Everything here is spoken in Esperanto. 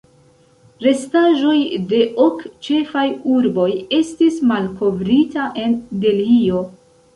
Restaĵoj de ok ĉefaj urboj estis malkovrita en Delhio.